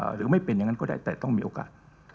หรือไม่เป็นอย่างนั้นก็ได้แต่ต้องมีโอกาส